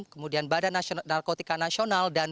kemudian badan narkotika nasional